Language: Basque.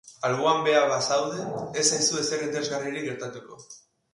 Alboan beha bazaude, ez zaizu ezer interesgarririk gertatuko.